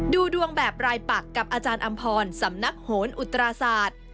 ดูดวงแบบรายปักกับอาจารย์อำพรสำนักโหนอุตราศาสตร์